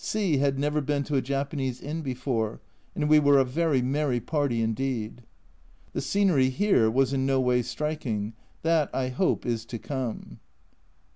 C had never been to a Japanese inn before, and we were a very merry party indeed. The scenery here was in no way striking, that I hope is to come.